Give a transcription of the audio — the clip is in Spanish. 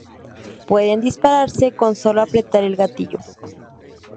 Pueden dispararse con solo apretar el gatillo.